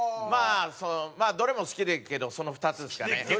まあどれも好きでっけどその２つですかね。